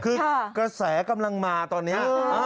คือกระแสกำลังมาตอนนี้